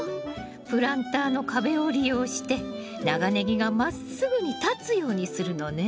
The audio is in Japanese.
プランターの壁を利用して長ネギがまっすぐに立つようにするのね。